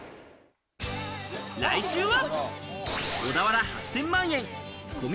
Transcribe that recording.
来週は。